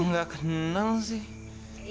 emang gak kenal sih